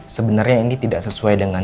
sebenarnya ini tidak sesuai dengan